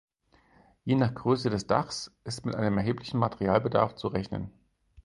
Je nach Größe des Daches ist mit einem erheblichen Materialbedarf zu rechnen.